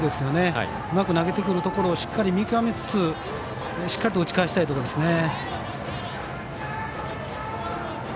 うまく投げてくるところをしっかり見極めつつしっかりと打ち返したいところです。